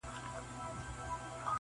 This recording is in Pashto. ته پاچا ځان مي وزیر جوړ کړ ته نه وې!!